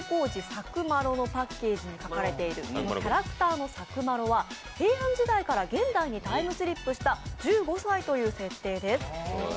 サクまろのパッケージに描かれているキャラクターのサクまろは平安時代から現代にタイムスリップした１５歳という設定です。